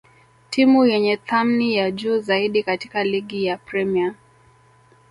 timu yenye thamni ya juu zaidi katika ligi ya Premia